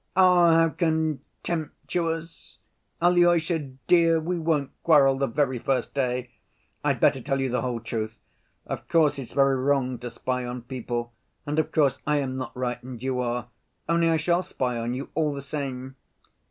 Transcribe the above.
"Ah, how contemptuous! Alyosha, dear, we won't quarrel the very first day. I'd better tell you the whole truth. Of course, it's very wrong to spy on people, and, of course, I am not right and you are, only I shall spy on you all the same."